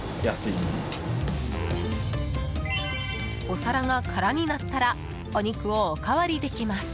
お皿が空になったらお肉をおかわりできます。